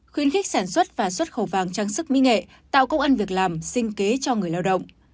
khuyến khích sản xuất và xuất khẩu vàng trang sức mỹ nghệ tạo công ăn việc làm sinh kế cho người lao động